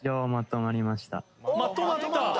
まとまった！